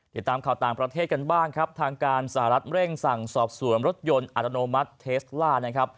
ติดตามข่าวต่างประเทศกันบ้างครับทางการสหรัฐเร่งสั่งสอบสวนรถยนต์อัตโนมัติเทสล่านะครับ